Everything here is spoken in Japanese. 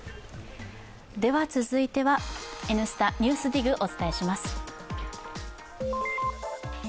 続いては「Ｎスタ・ＮＥＷＳＤＩＧ」です。